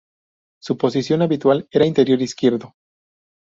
Su posición habitual era interior izquierdo.